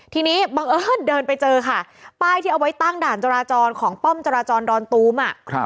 ทีนี้บังเอิญเดินไปเจอค่ะป้ายที่เอาไว้ตั้งด่านจราจรของป้อมจราจรดอนตูม